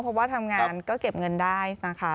เพราะว่าทำงานก็เก็บเงินได้นะคะ